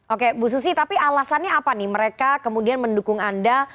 oke bu susi tapi alasannya apa nih mereka kemudian mendukung anda